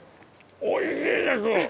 おいしいです！